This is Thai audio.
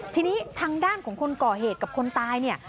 ทีนี้ทางด้านของคนก่อเหตุกับคนตายเนี่ย